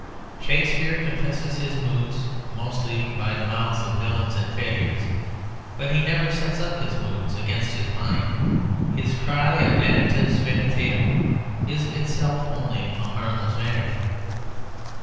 Shakespeare confesses his moods (mostly by the mouths of villains and failures), but he never sets up his moods against his mind. His cry of vanitas vanitatum is itself only a harmless vanity.